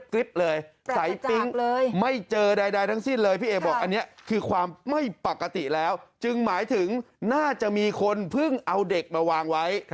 คนเพิ่งเอาเด็กมาวางไว้